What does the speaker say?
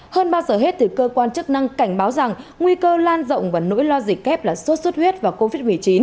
hơn bao giờ hết cơ quan chức năng cảnh báo rằng nguy cơ lan rộng và nỗi lo dịch kép là sốt xuất huyết và covid một mươi chín